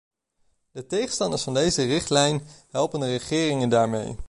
De tegenstanders van deze richtlijn helpen de regeringen daarmee.